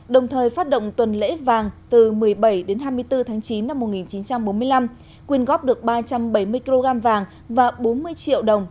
đồng thời phát động tuần lễ vàng từ một mươi bảy hai mươi bốn chín một nghìn chín trăm bốn mươi năm quyền góp được ba trăm bảy mươi kg vàng và bốn mươi triệu đồng